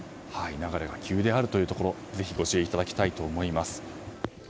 流れが急であるというところご注意いただきたいと思います。